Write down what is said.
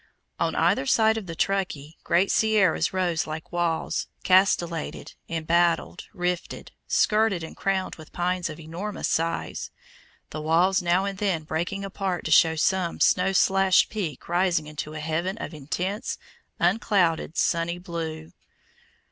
On either side of the Truckee great sierras rose like walls, castellated, embattled, rifted, skirted and crowned with pines of enormous size, the walls now and then breaking apart to show some snow slashed peak rising into a heaven of intense, unclouded, sunny blue.